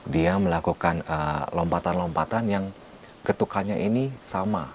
dia melakukan lompatan lompatan yang ketukannya ini sama